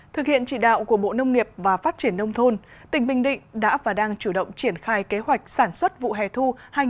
thực hiện trị đạo của bộ nông nghiệp và phát triển nông thôn tỉnh bình định đã và đang chủ động triển khai kế hoạch sản xuất vụ hè thu hai nghìn hai mươi